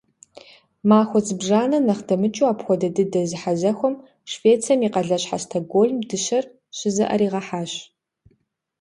Махуэ зыбжанэ нэхъ дэмыкӀыу апхуэдэ дыдэ зэхьэзэхуэм Швецием и къалащхьэ Стокгольм дыщэр щызыӀэригъэхьащ.